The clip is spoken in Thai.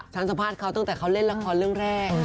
สัมภาษณ์เขาตั้งแต่เขาเล่นละครเรื่องแรก